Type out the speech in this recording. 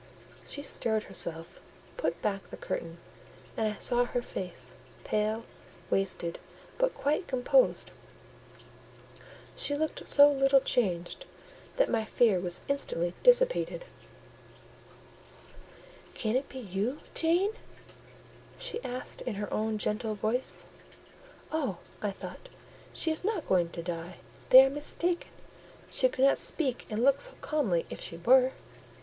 She stirred herself, put back the curtain, and I saw her face, pale, wasted, but quite composed: she looked so little changed that my fear was instantly dissipated. "Can it be you, Jane?" she asked, in her own gentle voice. "Oh!" I thought, "she is not going to die; they are mistaken: she could not speak and look so calmly if she were."